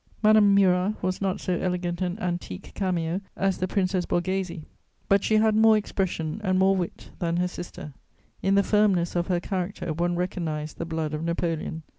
Madame Murat was not so elegant an antique cameo as the Princess Borghese; but she had more expression and more wit than her sister. In the firmness of her character one recognised the blood of Napoleon.